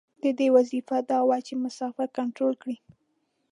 د ده وظیفه دا وه چې مسافر کنترول کړي.